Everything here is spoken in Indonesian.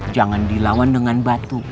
jangan dilawan dengan batu